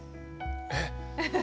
えっ。